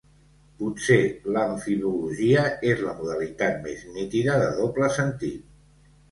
Potser l'amfibologia és la modalitat més nítida de doble sentit.